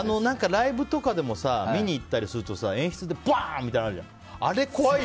ライブとかでも見に行ったりするとさ演出でバン！みたいなのあるじゃない。